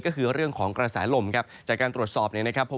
ก็คือเรื่องของกระแสลมจากการตรวจสอบ